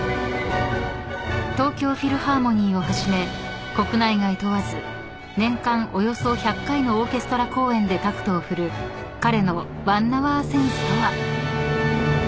［東京フィルハーモニーをはじめ国内外問わず年間およそ１００回のオーケストラ公演でタクトを振る彼の１ＨｏｕｒＳｅｎｓｅとは］